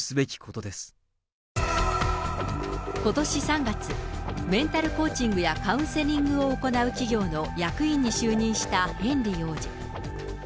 ことし３月、メンタルコーチングやカウンセリングを行う企業の役員に就任したヘンリー王子。